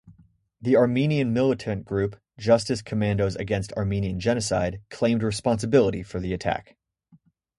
The Armenian militant group, Justice Commandos Against Armenian Genocide, claimed responsibility for the attack.